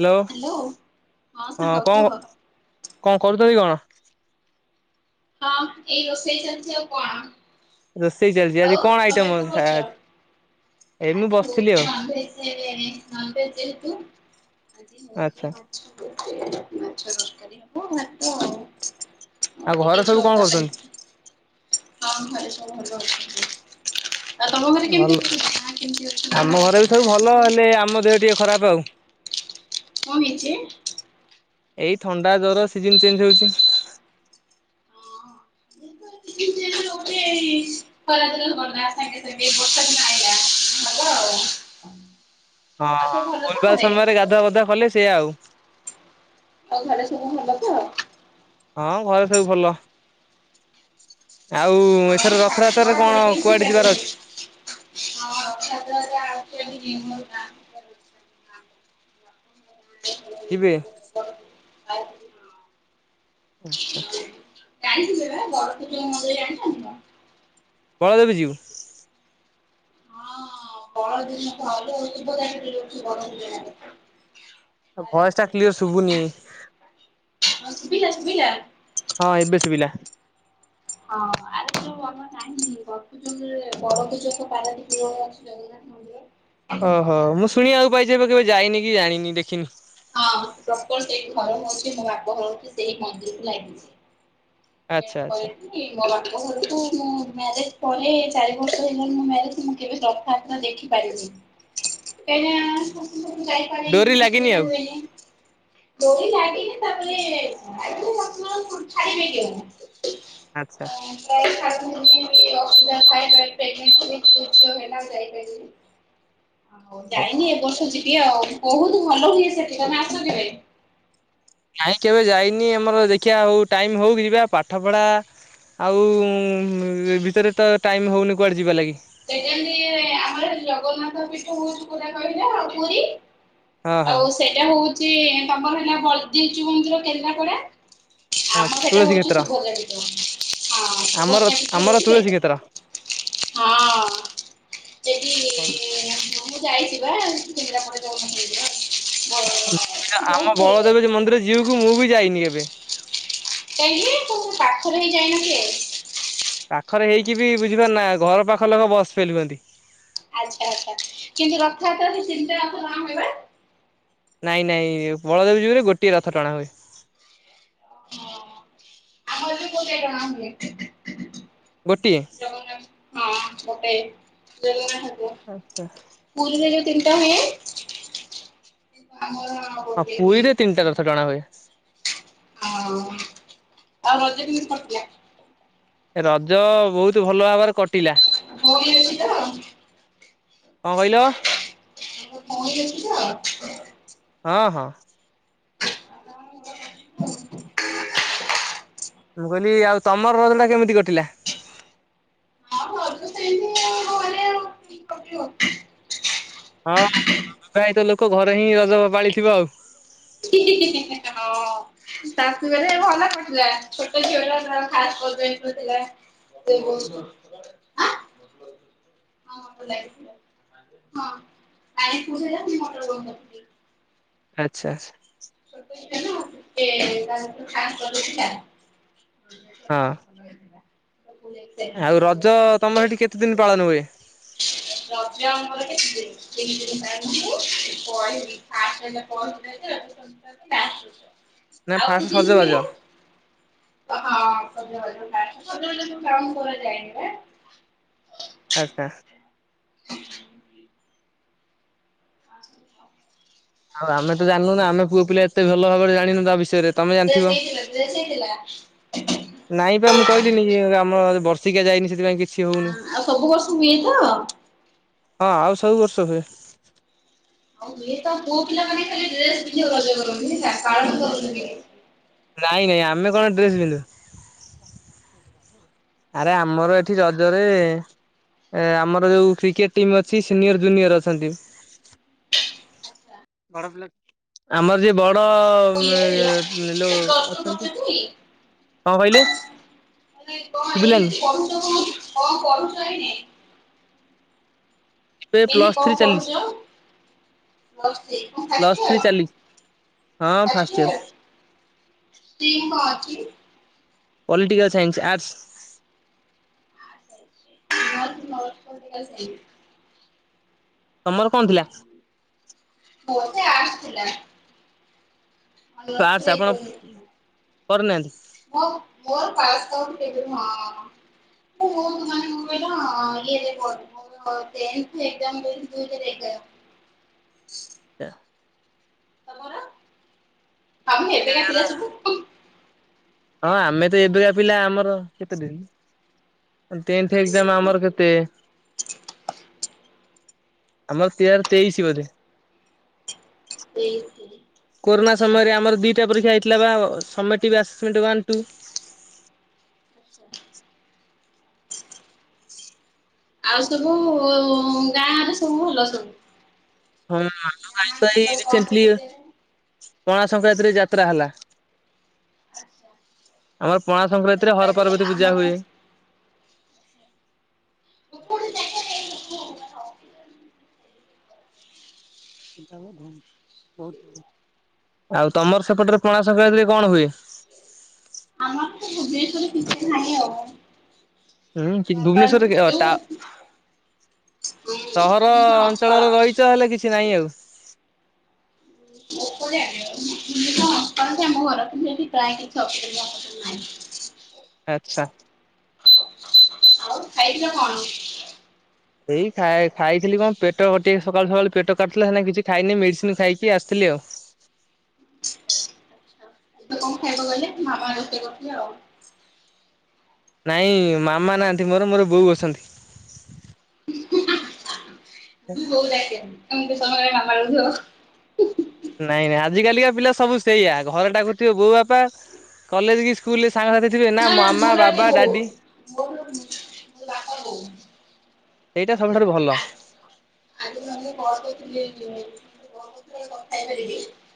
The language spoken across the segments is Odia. ହ୍ୟାଲୋ଼। ହ୍ୟାଲୋ ହଁ ସାଙ୍ଗ କୁହ କଣ କଣ କରୁଛନ୍ତି କଣ? ହଁ, ଏଇ ରୋଷେଇ ଚାଲିଛି ଆଉ କଣ। ରୋଷେଇ ଚାଲିଛି। ଆଜି ଆଉ କଣ ତମେ ଆଇଟମ ଅଛି କରୁଛ? ଖାଇବାରେ? ଆଜି ହଉଛି ନନଭେଜ ଡେ [unintelligible] ନନଭେଜ ଯେହେତୁ ଆଜି ଆଚ୍ଛା ହୋଉଚି ମା ମାଛ ତରକାରୀ ହବ, ଭାତ ଆଉ। ଏଇ ଘରେ ସବୁ ସ କଣ କରୁଛନ୍ତି? ତରକାରି। ହଁ ଘରେ ସବୁ ଭଲ ଅଛନ୍ତି। ଆଉ ତମ ଘରେ ଭଲ କେମିତି ଅଛନ୍ତି? ମାଆ କେମିତି ଅଛନ୍ତି ଭାଇ କେମିତି ଅଛନ୍ତି? ଏ ଆମ ଦେହ ଟିକେ ଖରାପ ଆଉ। କଣ ହେଇଛି? ଏଇ ଥଣ୍ଡା ଜର ସିଜିନ ଚେଞ୍ଜ ହଉଛି। ଏଇତ ସିଜିନି ଚେଞ୍ଜ ହୋଉଛି ଖରାଦିନ ଗଲା ସାଙ୍ଗେ ସାଙ୍ଗେ ଵର୍ଷା ଦିନ ଅଇଲା ହବ ଆଉ। ହଁ, ଆଉ ସବୁ ଭଲ ତ ଅଲଗା ଘରେ? ସମୟରେ ଗାଧୁଆ ପାଧୁଆ କଲେ ସେଇଆ ଆଉ। ଆଉ ଘରେ ସବୁ ଭଲ ତ? ହଁ ଘରେ ସବୁ ଭଲ। ଆଉ ଏଥର ରଥଯାତ୍ରାରେ କଣ କୁଆଡେ ଯିବାର ଅଛି? ହଁ ରଥଯାତ୍ରାରେ ବାହାରିଛୁ ଯେମିତି ଜିମୁ ଗାଁକୁ। [unintelligible] ଯିବେ? [unintelligible] ଆଁ ହା। ଜାଣିଥିଲେ ବା ବଳଦେବ ଜିଉ ମନ୍ଦିର ଜାଣିଛନ୍ତି ତ? ବଳଦେବ ଯିଉ। ହଁ, ବଡ ଦିନ ତ [unintelligible] ହେଲେ ଭଏସଟା କ୍ଲିଅର ଶୁଭୁନି। ହଁ ଶୁଭିଲା ଶୁଭିଲା? ହଁ ଏବେ ଶୁଭିଲା। ହଁ ଆରେ ଯୋଉ ଆମର ନାହିଁ [unintelligible] ବରଭୁଜଙ୍କ ପାରାଦୀପ ରେ ଅଛି ଜଗନାଥ। ଓହୋ ମୁଁ ଶୁଣିିବାକୁ ପାଇଛି ହେବେ କେବେ ଯାଇନି କି ଜାଣିନି ଦେଖିନି। ହଁ ପ୍ରପର ସେଇ ଘର ହଉଛି ମୋ ବାପଘର ହୋଉଛି ସେଇ ମନ୍ଦିରକୁ ଲାଗିଛି। ଆଚ୍ଛା [inaudible] ଆଚ୍ଛା। ଏଇ ମୋ ବାପ ଘରକୁ ମୁଁ ମ୍ୟାରେଜ ପରେ ଚାରି ବର୍ଷ ହେଇଗଣି ମୋ ମ୍ୟାରେଜ ମୁଁ କେବେ [unintelligible] ଦେଖିପାରିନି। [inaudible] ଏ ଯାଇପାରେ ଡୋରି [unintelligible] [inaudible] ଲୋଳି ଯାଇି ତାପରେ ଛାକ [unintelligible] ଆଚ୍ଛା। [inaudible] [inaudible] ହଉ ହ ଯାଇନି ଏ ବର୍ଷ ଯିବି ଆଉ ବହୁତ ଭଲ ହୁଏ ସେଠି ତମେ ଆସ କେବେ। କାହିଁ କେବେ ଯାଇନି ଆମର ଦେଖିବା ହଉ ଟାଇମ ହଉ କି ଯିବା ପାଠ ପଢା ଆଉ ଏ ଭିତରେ ତ ଟାଇମ ହଉନି କୁଆଡେ ଯିବା ଲାଗି। ସେ ଯେମତି ଆମର ଜଗନ୍ନାଥ ପୀଠ ହଉଛି କେଉଁଟା କହିଲ ପୁରୀ। ହଁ ହଁ ଆଉ ସେଇଟା ହଉଛି ତମର ହେଲା ବଲଦେବ ଜୀଉ ମନ୍ଦିର କେନ୍ଦ୍ରାପଡା ହଁ ଆମର ସେଇଟା ତୁଳସୀ ହଉଛି କ୍ଷେତ୍ର ସୁଭଦ୍ରା ପୀଠ ହଁ ଆମର ସୁଭଦ୍ରା ପୀଠ ହଉଛି ସେଇଟା। ହଁ ସେଠି ହ। ମୁଁ ଯାଇଛି ବା [unintelligible] ମୁଁ ବି ଆମ ବହୁତ ଭଲ ବଳଦେବ ଯାଇଛି ମନ୍ଦିର ଜୀଉ କୁ ମୁଁ ବି ଯାଇନି କେବେ। କାହିଁକି ତମ ପାଖରେ ହେଇକି ଯାଇନାହାନ୍ତି [unintelligible] ପାଖରେ ହେଇକି ବି ବୁଝିପାରୁ ନା ଘର ପାଖ ଲୋକ ବସ ଫେଲ ହୁଅନ୍ତି। ଆଚ୍ଛା ଆଚ୍ଛା କିନ୍ତୁ ରଥଯାତ୍ରା ଯେ ତିନିଟା ରଥ ଟଣା ହୁଏ ପା? ନାଇଁ ନାଇଁ ବଳଦେବ ଜୀଉଙ୍କର ଗୋଟିଏ ରଥ ଟଣା ହୁଏ। ହ ଆମ ତ କେଟ ଆ [unintelligible] ଗୋଟିଏ? ଜଗନ୍ନାଥ ହଁ ଗୋଟେ ଜଗନ୍ନାଥକୁ [unintelligible] ପୁରୀ ରେ ଯୋଉ ତିନିଟା ହୁଏ ହଁ ଗୋଟେ ହୁଏ ପୁରୀରେ ତିନିଟା ରଥ ଟଣା ହୁଏ। ହଁ ଆଉ ରଜ କେମିତି କଟିଲା? ରଜ ବହୁତ ଭଲ ଭାବରେ କଟ [unintelligible] ଅଛି ତ କଣ କହିଲ? [unintelligible] ଅଛି ତ? ହଁ ହଁ। [inaudible] ମୁଁ କହିଲି ଆଉ ତମର ରଜ ଟା କେମିତି କଟିଲା? ସେମତି ଆ [unintelligible] ହଁ ବିବାହିତ ଲୋକ ଘରେ ହିଁ ରଜ ପାଳିଥିବ ଆଉ। ହଁ। ଶାଶୁ ବଲେ ଭଲ କରିଥିଲା ଛୋଟ ଝିଅ ଖା ଥିଲା [unintelligible] [unintelligible] [inaudible] [unintelligible] ଆଚ୍ଛା। [unintelligible] ହଁ [inaudible] ଆଉ ରଜ ତମର ହେଠି କେତେ ଦିନ ପାଳନ ହୁଏ? ରଜ ଆମର କେତେ ଦିନି ତିନି ଦିନି ପହିଲି ଫାଷ୍ଟ ପହିଲି ନା ଫାଷ୍ଟ ସଜବାଜ [unintelligible] [unintelligible] ହଁ [unintelligible] କାମ କରାଯାଏନି ନାଁ ଆଚ୍ଛା। [inaudible] ଡ୍ରେସ ଆଉ ଆମେ ତ ଜାଣୁ ନାଁ ଆମ ପୁଅ ପିଲା ଏତେ ଭାବରେ ଜାଣିନୁ ତା ବିଷୟରେ ତମେ ଜାଣିଥିବ [unintelligible] ନାଇଁ ପା ମୁଁ କହିଲିନି କି ମର ବର୍ଷିକା ଯାଇନି ସେଥିପାଇଁ କିଛି ଆ ହଉନି ଆଉ ସବୁ ବର୍ଷ ହୁଏ ତ? ହଁ ଆଉ ସବୁ ବର୍ଷ ହୁଏ। ଆଉ ହୁଏତ ପୁଅ ପିଲା ମାନେ ଖାଲି ଡ୍ରେସ ପିନ୍ଧି ରଜ କରନ୍ତି ହେଲା ପାଳନ କରନ୍ତିନି କିଛି ନାଇଁ ନାଇଁ ଆମେ କଣ ଡ୍ରେସ ପିନ୍ଧୁ? ଆରେ ଆମର ଏଠି ରଜରେ ଏ ଆମର ଯୋଉ କ୍ରିକେଟ ଟିମ୍ ଅଛି ସିନିୟର ଜୁନିୟର ଅଛନ୍ତି। ଆଚ୍ଛା ଆମର ଯିଏ ବଡ ଡ଼ କଣ କହିଲେ [unintelligible] ଶୁଭିଲାନି [unintelligible] ଏଇନେ ପ୍ଲସ୍ ଥ୍ରୀ କଣ ଚାଲିଛି ପଢୁଛ? ପ୍ଲସ ଥ୍ରୀ କଣ ପ୍ଲସ୍ ଫାଷ୍ଟ ଥ୍ରୀ ଇୟର ଚାଲିଛି। ହଁ first ear. [unintelligible] Political science arts. [unintelligible] ତମର କଣ ଥିଲା? ମୋର ତ ଆଟ୍ସ ଥିଲା। ଅନର୍ସ ପାସ ଥିଲା ଆପଣ ଇକୋନୋମିକ୍ସ ଥିଲା। କରିନାହାନ୍ତି? [unintelligible] ମୋ ପୁଅ ମାନେ କଣ କହିଲ ଇଏ ରେ କରିବ ଟେନ୍ଥ ଏକ୍ଜାମ ଦେଇଛି ଦୁଇ ହଜାର ଏଗାର [inaudible] ତମର? ଆମ ଏବେକା ପିଲା ସବୁ ହଁ ଆମେ ତ ଏବେକା ପିଲା ଆମର କେତେ ଦେବି? ଟେନ୍ଥ ଏକ୍ଜାମ ଆମର କେତେ ଆମର [unintelligible] ତେଇଶି ବୋଧେ? ତେଇଶ? କୋରନା ସମୟରେ ଆମର ଦିଟା ପରୀକ୍ଷା ହେଇଥିଲା ବା [unintelligible] ୱାନ କୁ ଆଛା ଆଉ ସବୁ ଉ ଗାଁରେ ସବୁ ଭଲ ସବୁ? ହଁ ଆମ ଗାଁ କଣ ସବୁ ସେ [unintelligible] ପଣା ସଂକ୍ରାନ୍ତିରେ ଯାତ୍ରା ହେଲା। ଆଚ୍ଛା ଆମର ପଣା ସଂକ୍ରାନ୍ତିରେ ଯାତ୍ରା ହର ହୁଏ ପାର୍ବତୀ ପୂଜା ଆମର ହୁଏ। [unintelligible] ଆଉ ତମର ସେପଟରେ ପଣା ସଂକ୍ରାନ୍ତିରେ କଣ ହୁଏ? ଆମର ତ ଭୁବନେଶ୍ଵରରେ କିଛି [unintelligible] ଆଉ ହୁଁ କି ନର୍ମାଲ ଭୁବନେଶ୍ଵରରେ ଯୋଉ ଟା ସହର ର ଭୁବନେଶ୍ୱର ଅଂଶପାଳ। ଅଞ୍ଚଳରେ ରହିଛ ହେଲେ କିଛି ନାହିଁ ଆଉ [unintelligible] ଆଚ୍ଛା [inaudible] ଆଉ ଖାଇଚ କଣ? ଏଇ ଖାଇ ଖାଇଥିଲି କଣ ପେଟ ଗଟେ ସକାଳୁ ସକାଳୁ ପେଟ କାଟୁଥିଲା ହେନା କିଛି ଖାଇନି ମେଡିସିନ ଖାଇକି ଆସିଥିଲି ଆଉ ଏବେ କଣ ଖାଇବା ଗଲେ ମାମା ରୋସେଇ କଠ ଆଉ ନାଇଁ ମାମା ନାହାନ୍ତି ମୋର ମୋର ବୋଉ ଅସନ୍ତି ମୁ ବହୁତ ଆମ ସ ନାମାର [unintelligible] ନାଇଁ ନାଇଁ ଆଜିିକାଲିକା ପିଲା ସବୁ ସେଇଆ ଘରଟାକୁ ଥିବ ବୋଉ ବାପା କଲେଜ କି ସ୍କୁଲରେ ସାଙ୍ଗସଥି ଥିବେ ନା ମାମା ବାବା ଡାଡି ହ [unintelligible] [inaudible] ସେଇଟା ସବୁଠାରୁ ଭଲ ଆଜି କଣ କରଥିଲି କଣଥିଲେ ବଳେ କଥା ହେଇପାରିବେ [unintelligible]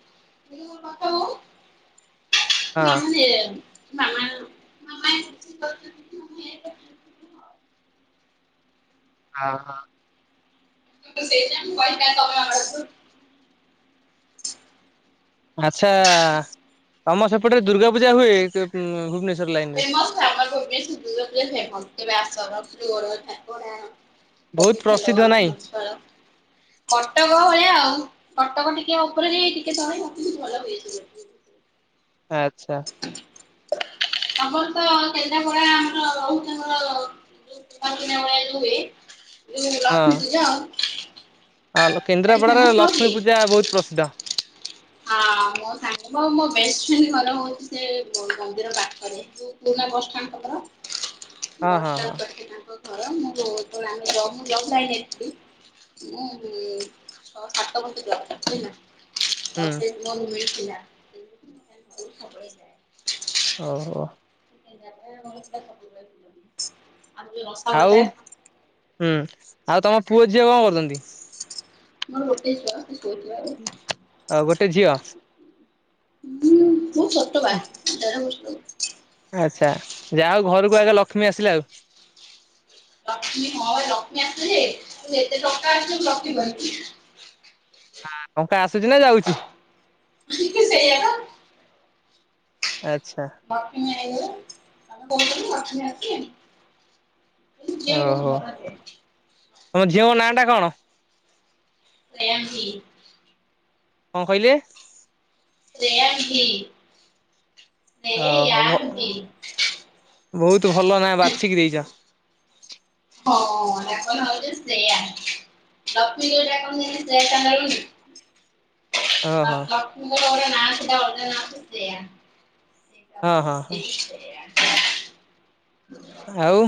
ହ କ ହ ହଁ। [unintelligible] ମାମା [unintelligible] ଆଉ [unintelligible] ଆଚ୍ଛା ତମ ସେପଟରେ ଦୁର୍ଗା ପୂଜା ହୁଏ ଭୁବନେଶ୍୍ୱର ଫେମସ ଫ ଆମର ଭ ଫେମ ବ୍ୟାସର ମ ମ୍ୱ ବହୁତ [unintelligible] ପ୍ରସିଦ୍ଧ ହଲୋ ଆ ସ ନାଇଁ କଟକ ଭଳିଆ ଆଉ କଟକ ଟିକେ ଉପରେ ଯ ଟିକେ ତଣ ମତେ ବ ଭଲ ହୁଏସ ଆଚ୍ଛା ଆମର ତ କେଦ୍ରାପଡ଼ା ଆମର ରହୁଛି ଆମର ଦ ଲୁବେ ଲୁ ରଖମି ଲକ୍ସମି ଯାଅ ହଁଲ କେନ୍ଦ୍ରାପଡ଼ାରେ ଲକ୍ଷ୍ମୀ ପୂଜା ବହୁତ ପ୍ରସିଦ୍ଧ ହଁ ମୋ ସାଙ୍ଗ ମୋ ବେଷ୍ଟ ଫ୍ରେଣ୍ଡ ଘର ହଉଛି ସେ ମନ୍ଦିର ପାଖରେ ଲୁା ବସ୍ଷ୍ଟାଣ୍ଡ ପାଖର ହଁ ହଁ ହଁ ବସ୍ଷ୍ଟାଣ୍ଡ ପାକି ତାଙ୍କ ହଁ ମୁଁ ଆମେ ମୁଁ ଯ କାଇ ଯାଇଥିଲି [unintelligible] ମୁଁଛଅ ସାତ ବଣ୍ଟେ ଯବ କରିଥିଲିନା ହୁଁ ମମିଥିଲା ଓହୋ [unintelligible] ଆଉ ହୁଁ ଆଉ ତମ ପୁଅ ଝିଅ କଣ କରୁଛନ୍ତି? ମୋର ଗୋଟେ ଛୁଆ ଆଉ ଗୋଟେ ଝିଅ କହୁ ବହୁ ସତ ବା ଦେଢ଼ ବର୍ଷ ଆଚ୍ଛା ଯାହାଉ ଘରକୁ ଆଗେ ଲକ୍ଷ୍ମୀ ଆସିଲା ଆଉ ଲକ୍ଷ୍ମୀ ହଁ ଲକ୍ଷ୍ମୀ ଆସିଲେ ତୁ ଏତେ ଟଙ୍କା ଆସ ରଖିବି ହଁ କଙ୍କା ଆସୁଛି ନା ଯାଉଛି କିିକ ସେଇୟା ଆଚଛା ଲାକ୍ସମି ଆଇଲେ ଆମେ କହୁଥିଲ ବା ଆ [unintelligible] ଓହୋ ଭଲ ଦିଏ। ତମ ଝିଅଙ୍କ ନାଁ ଟା କଣ? [unintelligible] କଣ କହିଲେ? [unintelligible] ଓହ ଶ୍ରେୟାଂଶୀ। ବହୁତ ଭଲ ନାଁ ବାଛିକି ଦେଇଛ। ହଁ [unintelligible] ସେୟା ଲକ୍ଷ୍ମୀ [unintelligible] ଓହୋ [unintelligible] ହଁ ହଁ ହଁ। ଆଉ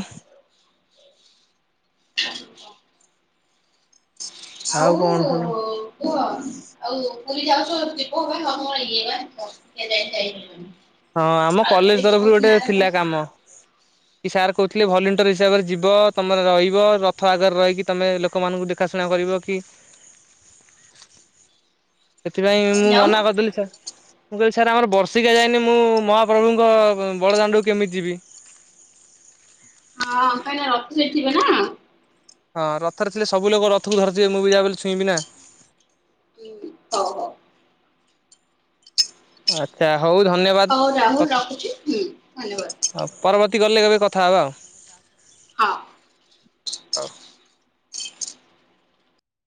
ଆଉ କଣ ସବୁ ଆଉ କୁହ [inaudible] ଆଉ ପୁରୀ ଯାଉଚ ଯିବ ବା ତମର ଇୟେ ବା ହଁ ଆମ ଆଉ କେବେ କଲେଜ ଯିବ ତରଫରୁ ପୁଣି ଗୋଟେ ଆର ଥିଲା କାମ। କି ସାର୍ କହୁଥିଲେ ଭଲେଣ୍ଟିୟର ବର୍ଷ ହିସାବରେ ଯିବ ତମେ ରହିବ ରଥ ଆଗରେ ରହିକି ତମେ ଲୋକମାନଙ୍କୁ ଦେ ଖାଶୁଣା କରିବ କି ସେଥିପାଇଁ ମୁଁ ଯାଉନ ମନା କରିଦେଲି ସାର୍ ମୁଁ କହିଲି ସାର୍ ଆମର ବର୍ଷିକା ଯାଇନି ମୁଁ ମହାପ୍ରଭୁଙ୍କ ବଡଦାଣ୍ଡକୁ କେମିତି ଯିବି? ହଁ କାହିଁନା ରଥରେ ଥିବେ ନା। ହଁ ରଥରେ ଥିଲେ ସବୁ ଲୋକ ରଥକୁ ଧରିିଥିବେ ମୁଁ ଯାହା କୁ ଛୁଇଁବି ନା ହୁଁ ହଉ ହଉ। ଆଚ୍ଛା ହଉ ଧନ୍ୟବାଦ ହଉ ରାହୁଲ କ ରଖୁଛି ହୁଁ ଧନ୍ୟବାଦ ହଉ ପରବର୍ତ୍ତୀ ଗଲେ କେବେ କଥା ହବା ଆଉ। ହଁ। ହଉ।